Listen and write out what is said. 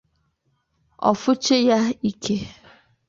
ọ fụchie ya ikè.